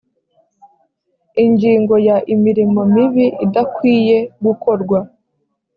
ingingo ya imirimo mibi idakwiye gukorwa